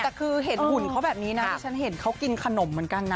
แต่คือเห็นหุ่นเขาแบบนี้นะที่ฉันเห็นเขากินขนมเหมือนกันนะ